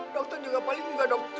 dokter juga paling enggak dok